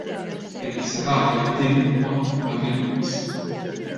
Kienet serata li bdiet b'mod meraviljuż.